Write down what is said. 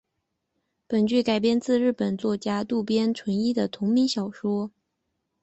本剧改编自日本作家渡边淳一的同名小说。